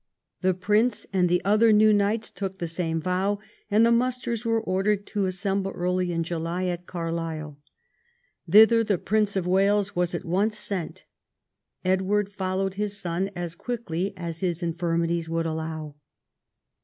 The prince and the other new knights took the same vow, and the musters were ordered to assemble early in July at Carlisle. Thither the Prince of Wales was at once sent. Edward followed his son as quickly as his infirmities would allow.